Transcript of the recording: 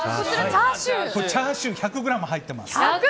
チャーシューは１００ｇ入っています。